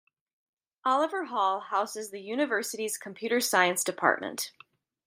Oliver Hall houses the University's Computer Science Department.